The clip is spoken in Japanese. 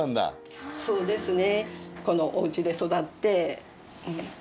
そうですね。